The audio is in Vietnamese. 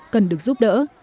cần được giúp đỡ